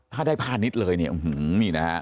ถ้าได้พลาดนิดเลยเนี่ยอื้อหือนี่นะฮะ